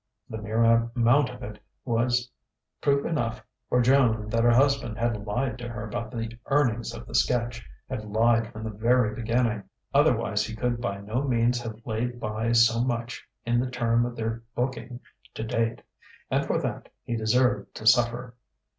The mere amount of it was proof enough for Joan that her husband had lied to her about the earnings of the sketch, had lied from the very beginning; otherwise he could by no means have laid by so much in the term of their booking to date. And for that, he deserved to suffer.